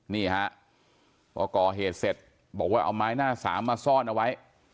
นี่ฮะพอก่อเหตุเสร็จบอกว่าเอาไม้หน้าสามมาซ่อนเอาไว้